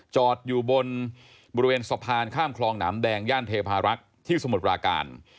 จอดอยู่บนบริเวณสะพานข้ามคลองหนามแดงย่านเทพารักษ์ที่สมุทรปราการ